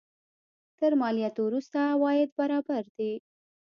تر مالیاتو وروسته عواید برابر دي.